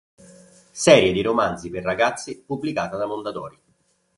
Serie di romanzi per ragazzi, pubblicata da Mondadori.